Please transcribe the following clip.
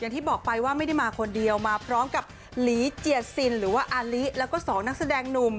อย่างที่บอกไปว่าไม่ได้มาคนเดียวมาพร้อมกับหลีเจียซินหรือว่าอาลิแล้วก็สองนักแสดงหนุ่ม